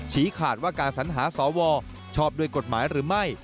ขาดว่าการสัญหาสวชอบด้วยกฎหมายหรือไม่